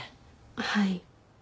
はい。